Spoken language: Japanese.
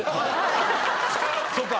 そうか。